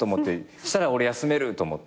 そしたら俺休めると思って。